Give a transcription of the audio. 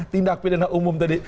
tindak pidana umum tadi